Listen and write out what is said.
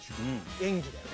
演技だよね。